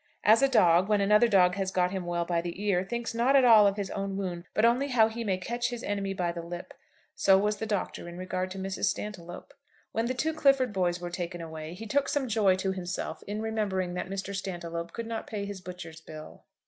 As a dog, when another dog has got him well by the ear, thinks not at all of his own wound, but only how he may catch his enemy by the lip, so was the Doctor in regard to Mrs. Stantiloup. When the two Clifford boys were taken away, he took some joy to himself in remembering that Mr. Stantiloup could not pay his butcher's bill.